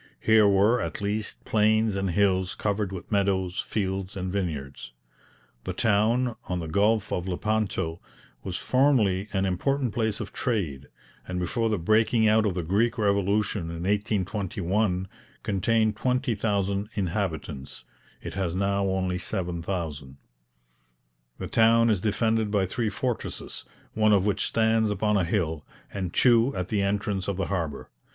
Here were, at least, plains and hills covered with meadows, fields, and vineyards. The town, on the Gulf of Lepanto, was formerly an important place of trade; and before the breaking out of the Greek revolution in 1821, contained 20,000 inhabitants; it has now only 7,000. The town is defended by three fortresses, one of which stands upon a hill, and two at the entrance of the harbour.